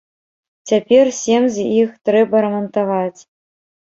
Цяпер сем з іх трэба рамантаваць.